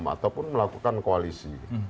ataupun melakukan koalisi